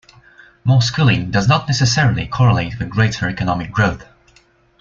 More schooling does not necessarily correlate with greater economic growth.